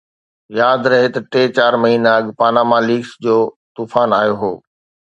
ياد رهي ته ٽي چار مهينا اڳ پاناما ليڪس جو طوفان آيو هو